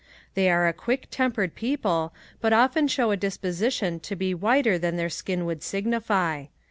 They are a quick tempered people but often show a disposition to be whiter than their skin would signify.